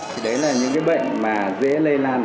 thì đấy là những bệnh dễ lây lan